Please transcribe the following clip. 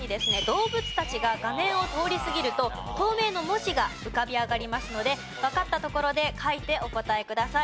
動物たちが画面を通り過ぎると透明の文字が浮かび上がりますのでわかったところで書いてお答えください。